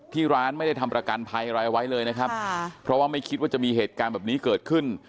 ที่ร้านไม่ได้ทำประกันภัยอะไรเอาไว้เลยนะครับเพราะว่าไม่คิดว่าจะมีเหตุการณ์แบบนี้เกิดขึ้น